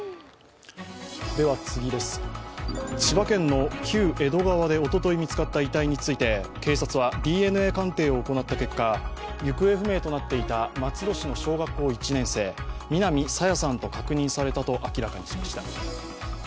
千葉県の旧江戸川でおととい見つかった遺体について警察はＤＮＡ鑑定を行った結果行方不明となっていた松戸市の小学校１年生、南朝芽さんと確認されたと明らかにしました。